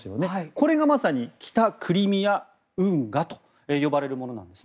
これがまさに北クリミア運河と呼ばれるものなんです。